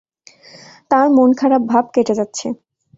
তাঁর মন-খারাপ ভাব কেটে যাচ্ছে।